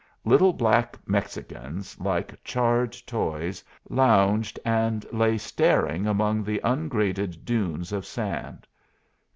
Little black Mexicans, like charred toys, lounged and lay staring among the ungraded dunes of sand.